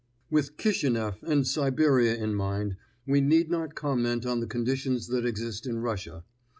With Kishineff and Siberia in mind, we need not comment on the conditions that exist in Russia.